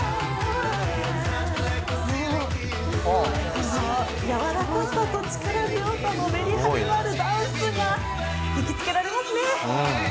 このやわらかさと力強さのめりはりのあるダンスが引きつけられますね。